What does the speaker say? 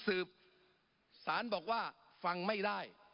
ปรับไปเท่าไหร่ทราบไหมครับ